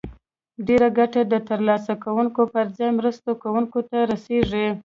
ډیره ګټه د تر لاسه کوونکو پر ځای مرستو ورکوونکو ته رسیږي.